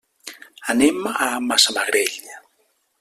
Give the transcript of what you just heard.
Anem a Massamagrell.